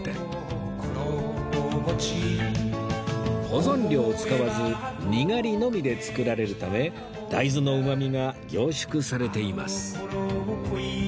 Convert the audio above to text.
保存料を使わずにがりのみで作られるため大豆のうまみが凝縮されています